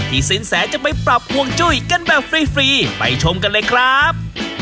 สินแสจะไปปรับห่วงจุ้ยกันแบบฟรีไปชมกันเลยครับ